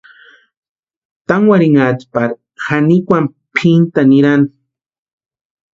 Tankwarhinhatʼi pari janikwani pʼintani nirani.